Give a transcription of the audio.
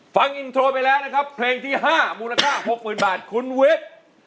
ฟังอินโทรไปแล้วนะครับเพลงที่๕มูลค่า๖๐๐๐บาทคุณวิทย์